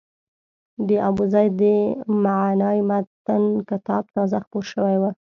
د ابوزید د معنای متن کتاب تازه خپور شوی و.